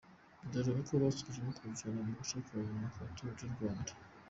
Dore uko basoje bakurikirana ku gace ka nyuma ka Tour du Rwanda .